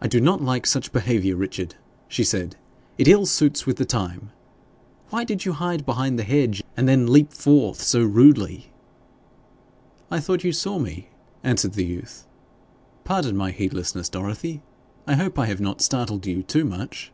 'I do not like such behaviour, Richard,' she said. 'It ill suits with the time. Why did you hide behind the hedge, and then leap forth so rudely?' 'I thought you saw me,' answered the youth. 'Pardon my heedlessness, Dorothy. I hope I have not startled you too much.'